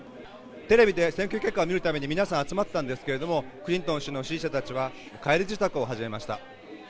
テレビで選挙結果を見るために皆さん集まったんですけれどもクリントン氏の支持者たちは帰り支度を始めました。